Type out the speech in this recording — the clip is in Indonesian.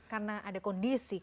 karena ada kondisi